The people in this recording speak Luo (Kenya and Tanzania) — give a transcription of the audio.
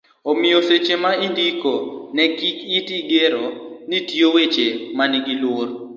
omiyo seche ma indiko ne kik iti gi gero, ti gi weche manigi luor